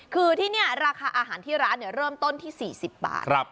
คือที่นี่ราคาอาหารที่ร้านเริ่มต้นที่๔๐บาท